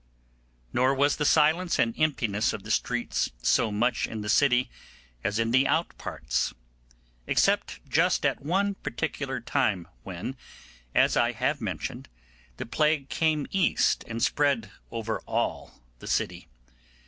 Nor was the silence and emptiness of the streets so much in the city as in the out parts, except just at one particular time when, as I have mentioned, the plague came east and spread over all the city.